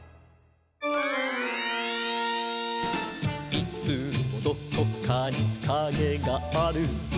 「いつもどこかにカゲがある」